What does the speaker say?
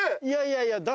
いやいやいや。